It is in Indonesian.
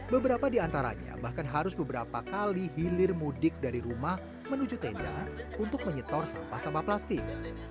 beberapa di antaranya bahkan harus beberapa kali hilir mudik dari rumah menuju tenda untuk menyetor sampah sampah plastik